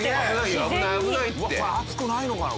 熱くないのかな？